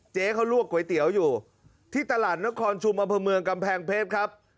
เจ๊เขาลวกก๋วยเตี๋ยวอยู่ที่ตลาดนครชุมอำเภอเมืองกำแพงเพชรครับ